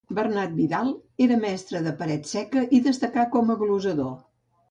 Bernat Vidal era mestre de paret seca i destacà com a glosador.